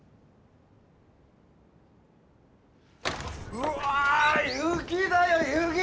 うわ雪だよ雪！